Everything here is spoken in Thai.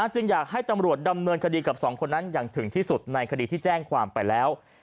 จึงอยากให้ตำรวจดำเนินคดีกับสองคนนั้นอย่างถึงที่สุดในคดีที่แจ้งความไปแล้ว